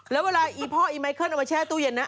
แล้วเวลาอีพ่ออีไมเคิลเอามาแช่ตู้เย็นนะ